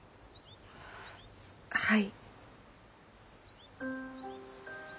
はい。